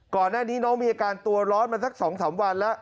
ก่อนหน้านี้น้องมีอาการตัวร้อนมาสัก๒๓วันแล้ว